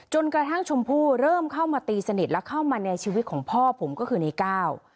จนกระทั่งชมพู่เริ่มเข้ามาตีสนิทและเข้ามาในชีวิตของพ่อผมก็คือในก้าว